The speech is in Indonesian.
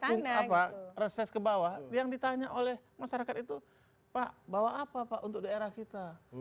kalau reses ke bawah yang ditanya oleh masyarakat itu pak bawa apa pak untuk daerah kita